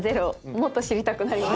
もっと知りたくなりました。